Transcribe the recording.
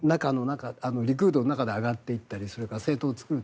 リクードの中で上がっていったりそれから政党を作る時。